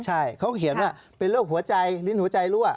ใช่เขาเขียนว่าเป็นโรคหัวใจลิ้นหัวใจรั่ว